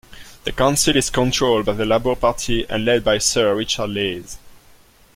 The council is controlled by the Labour Party and led by Sir Richard Leese.